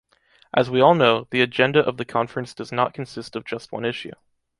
As we all know, the agenda of the Conference does not consist of just one issue.